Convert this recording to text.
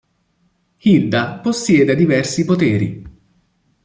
Hilda possiede diversi poteri.